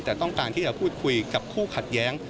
แต่ต้องการที่จะพูดคุยกับคู่ขัดแย้ง